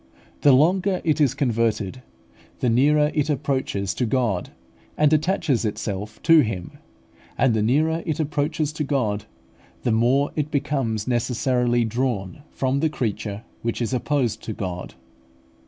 The longer it is converted, the nearer it approaches to God, and attaches itself to Him; and the nearer it approaches to God, the more it becomes necessarily drawn from the creature, which is opposed to God.